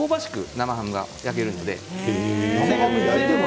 生ハムが焼けるので。